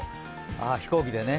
ああ、飛行機でね。